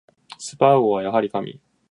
スパーゴはやはり神